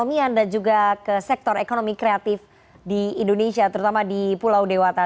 terima kasih anda juga ke sektor ekonomi kreatif di indonesia terutama di pulau dewata